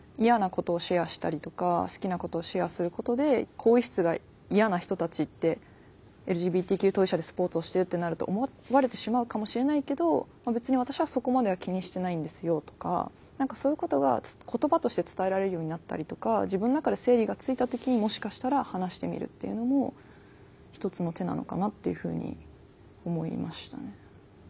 更衣室が嫌な人たちってＬＧＢＴＱ当事者でスポーツをしてるってなると思われてしまうかもしれないけど別に私はそこまでは気にしてないんですよとか何かそういうことが言葉として伝えられるようになったりとか自分の中で整理がついた時にもしかしたら話してみるっていうのも一つの手なのかなっていうふうに思いましたね。